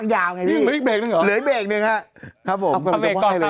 ครับผมพระเบรกก่อนครับ